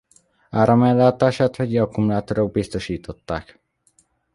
Áramellátását vegyi akkumulátorok biztosították.